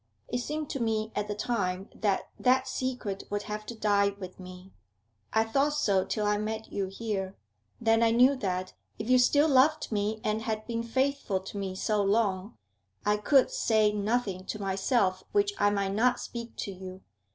It seemed to me at the time that that secret would have to die with me; I thought so till I met you here. Then I knew that, if you still loved me and had been faithful to me so long, I could say nothing to myself which I might not speak to you.